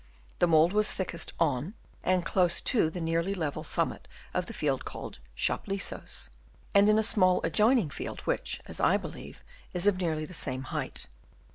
The mould was thickest on and close to the nearly level sum mit of the field called u Shop Leasows," and in a small adjoining field, which, as I believe, is of nearly the same height.